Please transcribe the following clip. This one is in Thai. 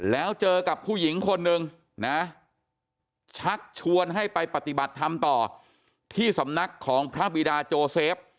แล้วเจอกับผู้หญิงคนหนึ่งนะชักชวนให้ไปปฏิบัติธรรมต่อที่สำนักของพระบิดาโจเซฟ